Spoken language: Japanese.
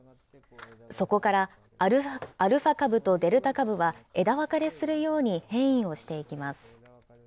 そこから、アルファ株とデルタ株は枝分かれするように変異をしていきます。